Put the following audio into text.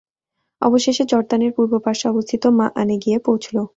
অবশেষে জর্দানের পূর্ব পার্শ্বে অবস্থিত মাআনে গিয়ে পৌঁছল।